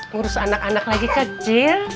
ngurus anak anak lagi kecil